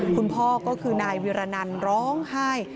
คุณพ่อก็คือนายวิรนันร้องไห้